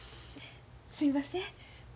すいません。